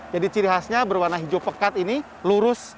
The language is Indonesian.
jadi ciri khasnya berwarna hijau pekat ini lurus